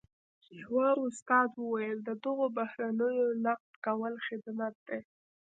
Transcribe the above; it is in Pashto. یوه استاد وویل د دغو بهیرونو نقد کول خدمت دی.